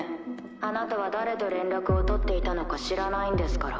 あなたは誰と連絡を取っていたのか知らないんですから。